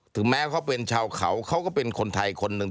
แม้เขาเป็นชาวเขาเขาก็เป็นคนไทยคนหนึ่ง